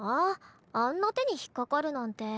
あんな手に引っ掛かるなんて。